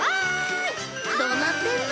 どうなってんの？